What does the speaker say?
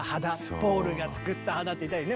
ポールが作った派だっていたりね。